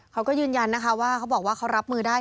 เขาก็ยืนยันนะคะว่าเขาบอกว่าเขารับมือได้